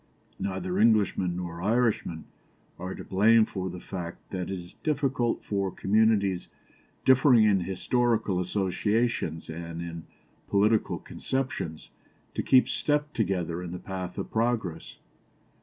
Neither Englishmen nor Irishmen are to blame for the fact that it is difficult for communities differing in historical associations and in political conceptions to keep step together in the path of progress.